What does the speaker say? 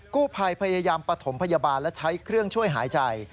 กู้ภัยพยายามปฐมพยาบาลและใช้เครื่องช่วยหายใจ